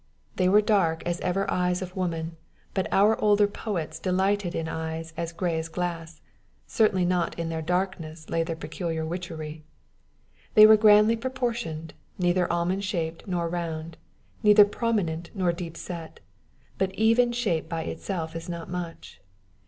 They were as dark as ever eyes of woman, but our older poets delighted in eyes as gray as glass: certainly not in their darkness lay their peculiar witchery. They were grandly proportioned, neither almond shaped nor round, neither prominent nor deep set; but even shape by itself is not much.